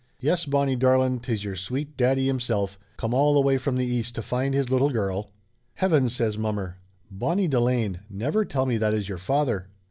"Yes, Bonnie darlin', 'tis your sweet daddy himself, come all the way from the East to find his little girl !" "Heavens!" says mommer. "Bonnie Delane, never tell me that is your father!"